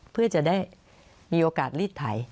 เพื่อจะได้มีโอกาสรีดไถ